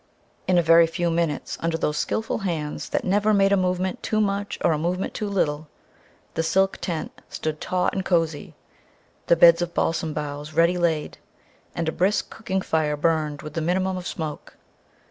In a very few minutes, under those skilful hands that never made a movement too much or a movement too little, the silk tent stood taut and cozy, the beds of balsam boughs ready laid, and a brisk cooking fire burned with the minimum of smoke.